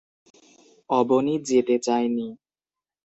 অবনী যেতে চায় নি।